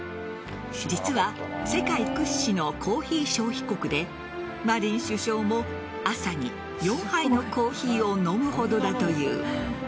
実は世界屈指のコーヒー消費国でマリン首相も朝に４杯のコーヒーを飲むほどだという。